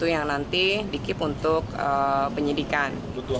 jadi dikip untuk penyidikan